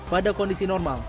pada kondisi normal